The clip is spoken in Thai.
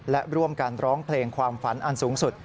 และร่วมกันร้องเพลงความฝันอันสูงสุด